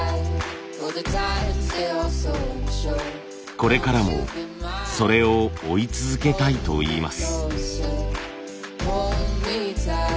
これからもそれを追い続けたいといいます。